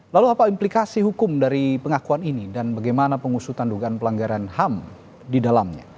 lalu apa implikasi hukum dari pengakuan ini dan bagaimana pengusutan dugaan pelanggaran ham di dalamnya